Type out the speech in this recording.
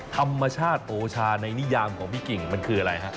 ธรรมชาติโอชาในนิยามของพี่กิ่งมันคืออะไรฮะ